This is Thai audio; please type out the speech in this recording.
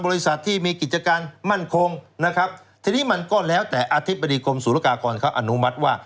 บริษัทที่มีกิจการมั่นคงนะครับทีนี้มันก็แล้วแต่อธิบดีกรมศูนยากากรเขาอนุมัติว่า